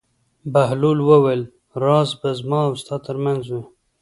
بهلول وویل: راز به زما او ستا تر منځ وي.